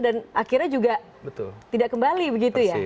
dan akhirnya juga tidak kembali begitu ya